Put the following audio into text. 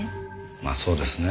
まあそうですね。